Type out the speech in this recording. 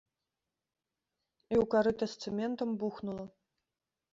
І ў карыта з цэментам бухнула.